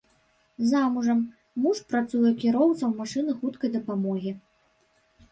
Замужам, муж працуе кіроўцам машыны хуткай дапамогі.